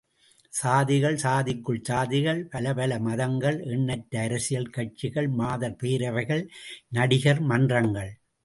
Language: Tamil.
சாதிகள், சாதிக்குள் சாதிகள், பலப்பல மதங்கள், எண்ணற்ற அரசியல் கட்சிகள், மாதர் பேரவைகள், நடிகர் மன்றங்கள்!